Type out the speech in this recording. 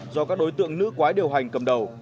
do các đối tượng nữ quái điều hành cầm đầu